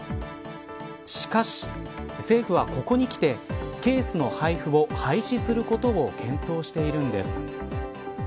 しかし政府は、ここにきてケースの配布を廃止することを検討しているんです。